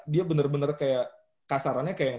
dia bener bener kayak kasarannya kayak